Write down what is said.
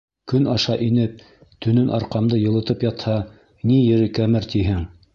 Көн аша инеп, төнөн арҡамды йылытып ятһа, ни ере кәмер тиһең?